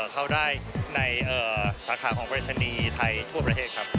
เข้าได้ในสาขาของปริศนีย์ไทยทั่วประเทศครับ